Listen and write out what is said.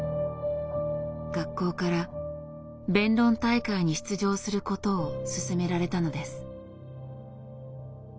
学校から弁論大会に出場することを勧められたのです。